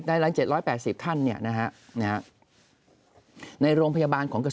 คราวนี้ในรังศรี๗๘๐ท่าน